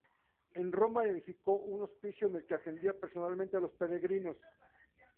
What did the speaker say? En Roma, edificó un hospicio en el que atendía personalmente a los peregrinos.